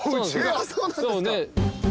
そうなんですか。